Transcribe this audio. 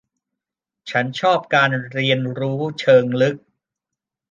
ฉันชอบการเรียนรู้เชิงลึก